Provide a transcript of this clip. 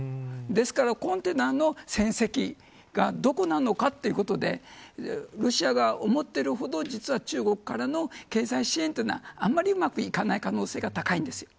ですから、コンテナの船籍がどこなのかということでロシア側が思っているほど、実は中国からの経済支援はあまり、うまくいかない可能性が高いんです。